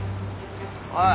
おい！